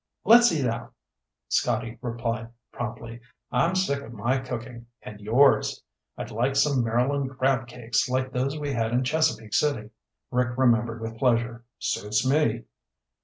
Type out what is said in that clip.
"Let's eat out," Scotty replied promptly. "I'm sick of my cooking and yours. I'd like some Maryland crab cakes like those we had in Chesapeake City." Rick remembered with pleasure. "Suits me."